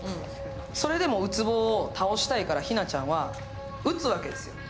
それでも宇津帆を倒したいから、ヒナちゃんは撃つわけですよ。